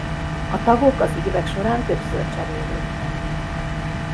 A tagok az évek során többször cserélődtek.